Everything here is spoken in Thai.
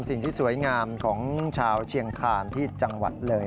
สิ่งที่สวยงามของชาวเชียงคานที่จังหวัดเลย